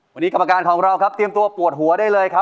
วันนี้กรรมการของเราครับเตรียมตัวปวดหัวได้เลยครับ